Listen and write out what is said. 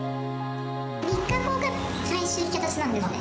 ３日後が最終引き渡しなんですね。